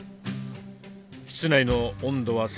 室内の温度は３５度。